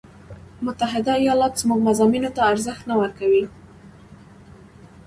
متحده ایالات زموږ مضامینو ته ارزش نه ورکوي.